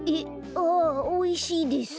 ああおいしいです。